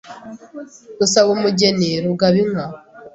rusaba umugeni, rugaba inka,